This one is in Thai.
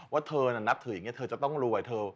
ว่าเธอนักถืออย่างนี้เธอจะต้องรวย